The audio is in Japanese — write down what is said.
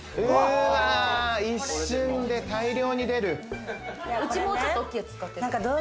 一瞬で大量に出る。